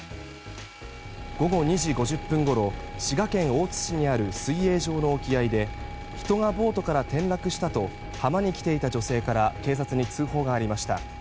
午後２時５０分ごろ滋賀県大津市にある水泳場の沖合で人がボートから転落したと浜に来ていた女性から警察に通報がありました。